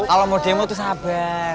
kalo mau demo tuh sabar